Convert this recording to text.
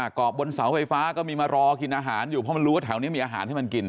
เกาะบนเสาไฟฟ้าก็มีมารอกินอาหารอยู่เพราะมันรู้ว่าแถวนี้มีอาหารให้มันกิน